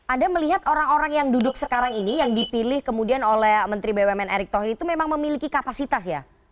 anda melihat orang orang yang duduk sekarang ini yang dipilih kemudian oleh menteri bumn erick thohir itu memang memiliki kapasitas ya